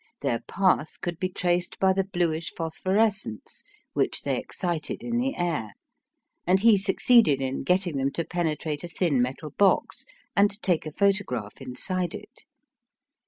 Their path could be traced by the bluish phosphorescence which they excited in the air, and he succeeded in getting them to penetrate a thin metal box and take a photograph inside it.